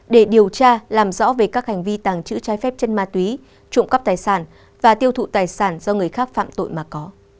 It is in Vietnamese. để điều tra làm rõ về các hành vi tàng trữ trái phép chân ma túy trộm cắp tài sản và tiêu thụ tài sản do người khác phạm tội mà có